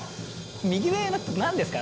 右上の人何ですか？